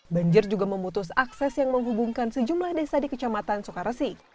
banjir juga memutus akses yang menghubungkan sejumlah desa di kecamatan soekaresi